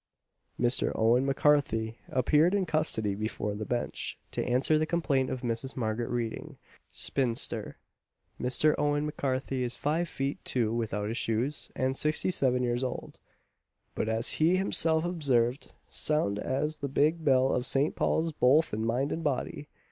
Mr. Owen M'Carthy appeared in custody before the Bench, to answer the complaint of Mrs. Margaret Reading, spinster. Mr. Owen M'Carthy is five feet two without his shoes, and sixty seven years old; but as he himself observed "sound as the big bell of St. Paul's, both in mind and body."